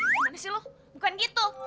mana sih lo bukan gitu